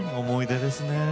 思い出ですね。